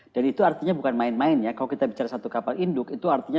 dan itu artinya bukan main main ya kalau kita bicara satu kapal induk itu artinya